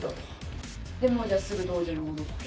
もうじゃあすぐ道場に戻って？